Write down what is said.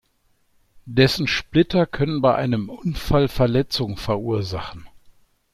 Dessen Splitter können bei einem Unfall Verletzungen verursachen.